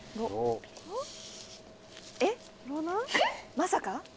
まさか！